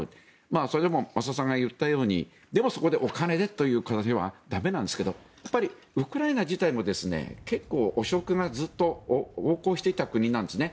それでも増田さんが言ったようにそこでお金という形では駄目なんですけどウクライナ自体も結構、汚職がずっと横行していた国なんですね。